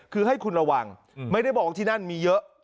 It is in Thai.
คือให้คุณระวังไม่ได้บอกว่าที่นั่นมีเยอะ